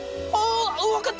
分かった。